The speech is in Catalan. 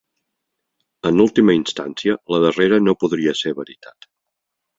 En última instància, la darrera no podria ser veritat.